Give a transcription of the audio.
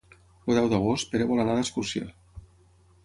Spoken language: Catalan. El deu d'agost en Pere vol anar d'excursió.